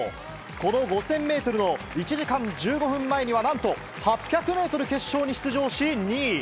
この５０００メートルの１時間１５分前にはなんと、８００メートル決勝に出場し、２位。